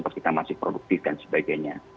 kalau kita masih produktif dan sebagainya